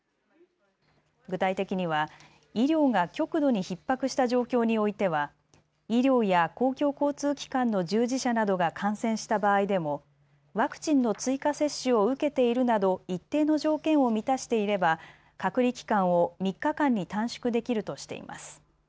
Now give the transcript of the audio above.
具体的には医療が極度にひっ迫した状況においては医療や公共交通機関の従事者などが感染した場合でもワクチンの追加接種を受けているなど一定の条件を満たしていれば隔離期間を３日間に短縮できるとしています。